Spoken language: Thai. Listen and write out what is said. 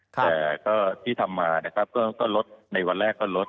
แต่ที่ทำมาก็ลดในวันแรกก็ลด